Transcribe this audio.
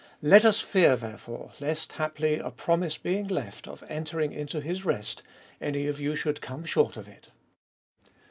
Let us fear therefore, lest haply, a promise being left of entering into His rest, any of you should come short of it.